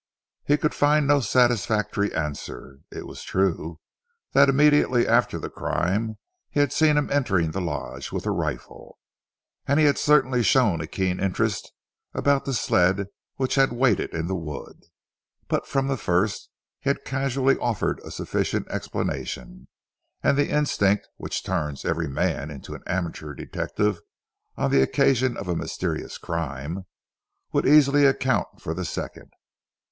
He could find no satisfactory answer. It was true that immediately after the crime he had seen him entering the Lodge with a rifle, and he had certainly shown a keen interest about the sled which had waited in the wood, but from the first he had casually offered a sufficient explanation, and the instinct which turns every man into an amateur detective on the occasion of a mysterious crime would easily account for the second.